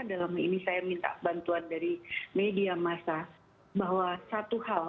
dalam ini saya minta bantuan dari media massa bahwa satu hal